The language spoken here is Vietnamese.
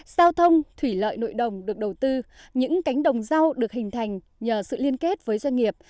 giao thông thủy lợi nội đồng được đầu tư những cánh đồng rau được hình thành nhờ sự liên kết với doanh nghiệp